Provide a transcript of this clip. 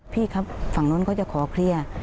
พี่ครับฝั่งนู้นเขาจะขอเคลียร์